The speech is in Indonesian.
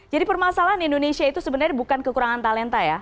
jadi permasalahan indonesia itu sebenarnya bukan kekurangan talenta ya